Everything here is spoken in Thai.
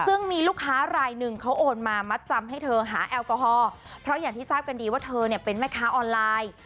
ซึ่งมีลูกค้ารายหนึ่งเขาโอนมามัดจำให้เธอหาแอลกอฮอลเพราะอย่างที่ทราบกันดีว่าเธอเนี่ยเป็นแม่ค้าออนไลน์